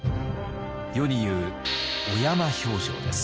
世に言う小山評定です。